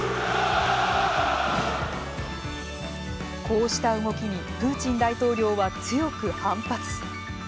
こうした動きにプーチン大統領は強く反発。